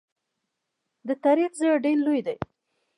د تاریخ زړه ډېر لوی دی.